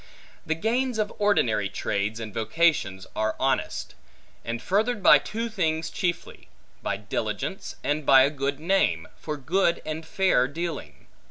The gains of ordinary trades and vocations are honest; and furthered by two things chiefly: by diligence, and by a good name, for good and fair dealing.